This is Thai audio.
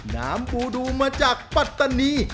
น้ำปูดูมาจากปัตตานี